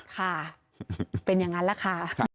ค่ะเป็นอย่างนั้นแหละค่ะ